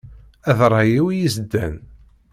Ad ṛṛay-iw i yiseddan.